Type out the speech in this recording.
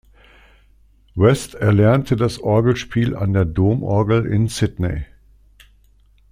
West erlernte das Orgelspiel an der Domorgel in Sydney.